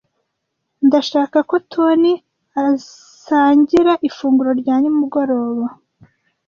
Ndashaka ko Toni asangira ifunguro rya nimugoroba.